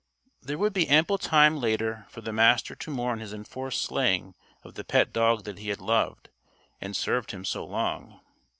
There would be ample time, later, for the Master to mourn his enforced slaying of the pet dog that had loved and served him so long.